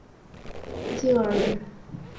近边耳蕨为鳞毛蕨科耳蕨属下的一个种。